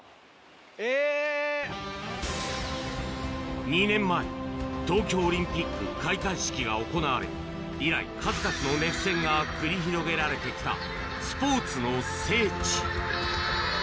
えー。２年前、東京オリンピック開会式が行われ、以来、数々の熱戦が繰り広げられてきたスポーツの聖地。